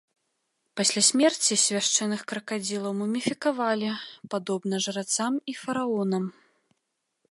Пасля смерці свяшчэнных кракадзілаў муміфікавалі, падобна жрацам і фараонам.